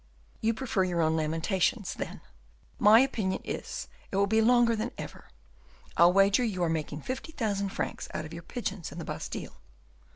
"You prefer your own lamentations, then; my opinion is, it will be longer than ever. I'll wager you are making fifty thousand francs out of your pigeons in the Bastile."